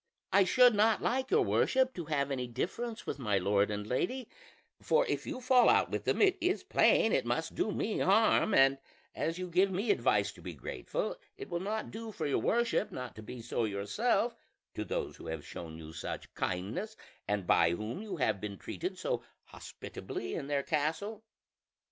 I should not like your worship to have any difference with my lord and lady; for if you fall out with them it is plain it must do me harm; and as you give me advice to be grateful, it will not do for your worship not to be so yourself to those who have shown you such kindness, and by whom you have been treated so hospitably in their castle.